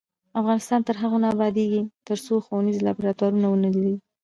افغانستان تر هغو نه ابادیږي، ترڅو ښوونځي لابراتوارونه ونه لري.